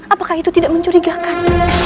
apakah itu tidak mencurigakan